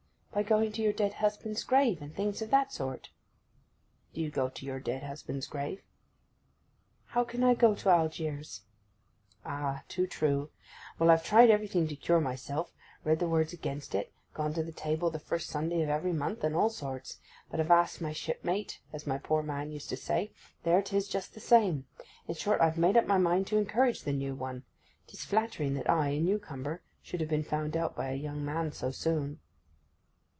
'By going to your dead husband's grave, and things of that sort.' 'Do you go to your dead husband's grave?' 'How can I go to Algiers?' 'Ah—too true! Well, I've tried everything to cure myself—read the words against it, gone to the Table the first Sunday of every month, and all sorts. But, avast, my shipmate!—as my poor man used to say—there 'tis just the same. In short, I've made up my mind to encourage the new one. 'Tis flattering that I, a new comer, should have been found out by a young man so soon.